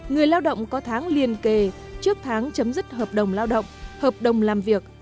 người lao động có tháng liên kề trước tháng chấm dứt hợp đồng lao động hợp đồng làm việc